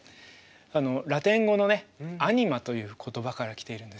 ラテン語のね「ＡＮＩＭＡ」という言葉から来ているんですけども